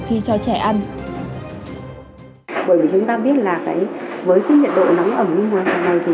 thích thú ngay cả người lớn cũng vậy thôi